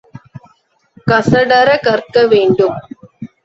கசடறக் கற்க வேண்டும்.